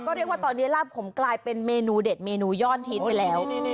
เรียกว่าตอนนี้ลาบขมกลายเป็นเมนูเด็ดเมนูยอดฮิตไปแล้ว